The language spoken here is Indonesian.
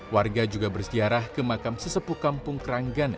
warga juga bersiarah ke makam sesepuh kampung keranggan